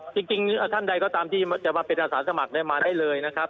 จริงท่านใดก็ตามที่จะมาเป็นอาสาสมัครมาได้เลยนะครับ